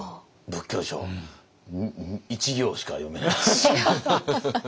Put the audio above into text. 仏教書１行しか読めないです。